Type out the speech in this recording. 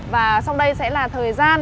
và sau đây sẽ là thời gian